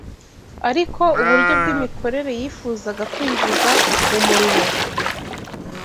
Ariko uburyo bw’imikorere yifuzaga kwinjiza mu murimo